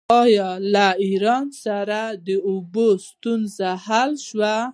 آیا له ایران سره د اوبو ستونزه حل شوې؟